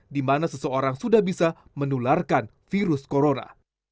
di mana seseorang sudah bisa menularkan virus corona